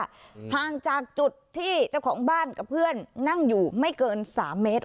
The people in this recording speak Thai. ห่างจากจุดที่เจ้าของบ้านกับเพื่อนนั่งอยู่ไม่เกินสามเมตร